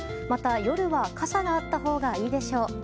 また、夜は傘があったほうがいいでしょう。